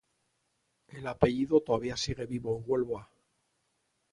El apellido todavía sigue vivo en Huelva.